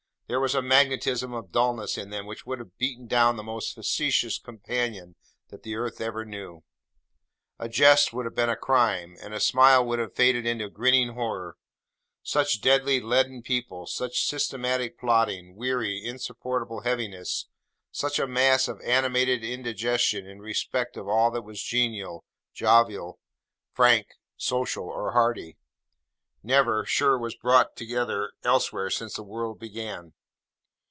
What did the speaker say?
There was a magnetism of dulness in them which would have beaten down the most facetious companion that the earth ever knew. A jest would have been a crime, and a smile would have faded into a grinning horror. Such deadly, leaden people; such systematic plodding, weary, insupportable heaviness; such a mass of animated indigestion in respect of all that was genial, jovial, frank, social, or hearty; never, sure, was brought together elsewhere since the world began.